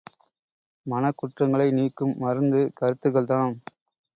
மனக்குற்றங்களை நீக்கும் மருந்து கருத்துக்கள் தாம்.